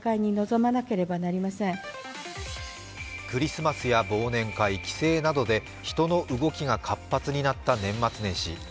クリスマスや忘年会帰省などで人の動きが活発になった年末年始。